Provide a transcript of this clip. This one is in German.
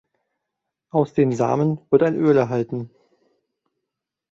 Aus den Samen wird ein Öl erhalten.